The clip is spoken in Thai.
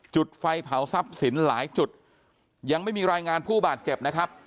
จุดไฟเผาทรัพย์สินหลายจุดยังไม่มีรายงานผู้บาดเจ็บนะครับ